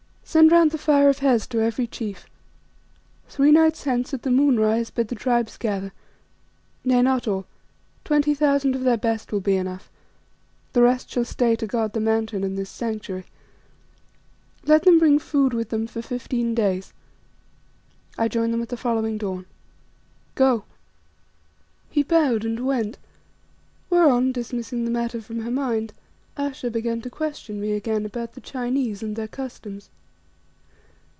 Send round the Fire of Hes to every chief. Three nights hence at the moonrise bid the Tribes gather nay, not all, twenty thousand of their best will be enough, the rest shall stay to guard the Mountain and this Sanctuary. Let them bring food with them for fifteen days. I join them at the following dawn. Go." He bowed and went, whereon, dismissing the matter from her mind, Ayesha began to question me again about the Chinese and their customs.